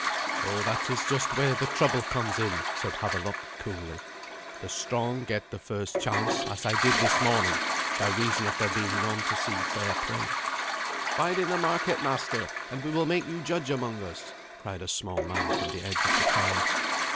"So that is just where the trouble comes in," said Havelok coolly; "the strong get the first chance, as I did this morning, by reason of there being none to see fair play." "Bide in the market, master, and we will make you judge among us," cried a small man from the edge of the crowd.